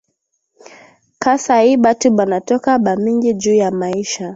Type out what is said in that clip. Kasayi batu banatoka ba mingi juya maisha